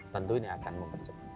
tentu ini akan mempercepat